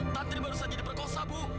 tantri baru saja diperkosa bu